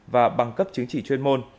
và bằng cấp chứng chỉ chuyên môn